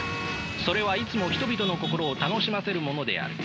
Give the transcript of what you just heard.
それはいつも人々の心を楽しませるものである。